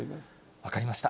分かりました。